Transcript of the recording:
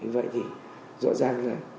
vậy thì rõ ràng là